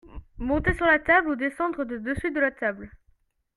monter sur la table ou descendre de dessus la table.